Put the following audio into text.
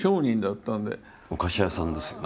お菓子屋さんですよね。